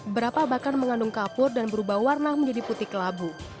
berapa bahkan mengandung kapur dan berubah warna menjadi putih kelabu